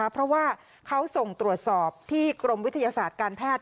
เพราะว่าเขาส่งตรวจสอบที่กรมวิทยาศาสตร์การแพทย์